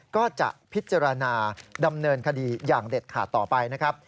ก็จะพิจารณาดำเนินคดีอย่างเด็ดขาดต่อไปนะครับ